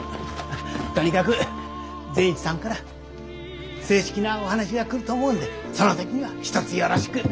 とにかく善一さんから正式なお話が来ると思うのでその時にはひとつよろしく。